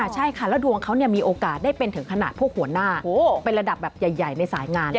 ใช่ค่ะแล้วดวงเขามีโอกาสได้เป็นถึงขนาดพวกหัวหน้าเป็นระดับแบบใหญ่ในสายงาน